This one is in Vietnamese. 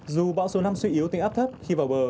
dù bão số năm suy yếu thành áp thấp khi vào bờ